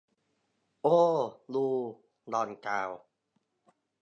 โอ้ ดู หล่อนกล่าว